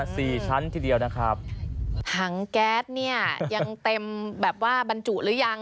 สี่ชั้นทีเดียวนะครับถังแก๊สเนี่ยยังเต็มแบบว่าบรรจุหรือยัง